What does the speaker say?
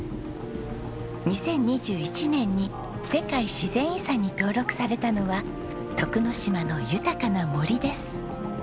２０２１年に世界自然遺産に登録されたのは徳之島の豊かな森です。